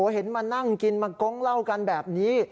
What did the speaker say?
เห็นมานั่งกินมาก้งเล่ากันแบบนี้